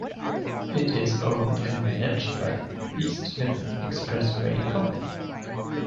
It is owned and managed by East Nippon Expressway Company.